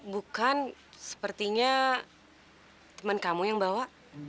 bukan sepertinya teman kamu yang bawa